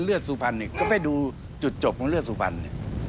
เลือดสุพรรณนี่ก็ไปดูจุดจบของเลือดสุพรรณ